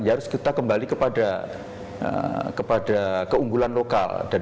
ya harus kita kembali kepada keunggulan lokal